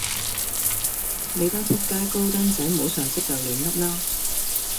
你班仆街高登仔無常識就噏啦